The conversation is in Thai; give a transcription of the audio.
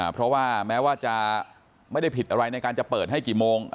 เพราะว่าแม้ว่าจะไม่ได้ผิดอะไรในการจะเปิดให้กี่โมง